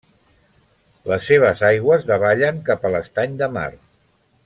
Les seves aigües davallen cap a l'Estany de Mar.